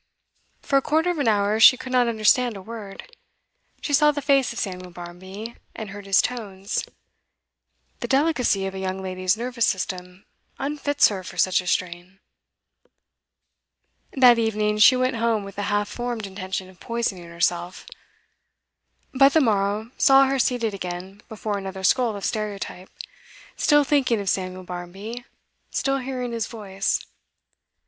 For a quarter of an hour she could not understand a word. She saw the face of Samuel Barmby, and heard his tones 'The delicacy of a young lady's nervous system unfits her for such a strain.' That evening she went home with a half formed intention of poisoning herself. But the morrow saw her seated again before another scroll of stereotype, still thinking of Samuel Barmby, still hearing his voice.